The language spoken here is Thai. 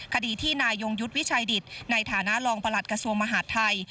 คดีที่นายยงยุทธ์วิชัยดิตในฐานะรองประหลัดกระทรวงมหาดไทย